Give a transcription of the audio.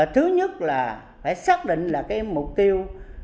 thứ nhất là phải xác định là cái mục tiêu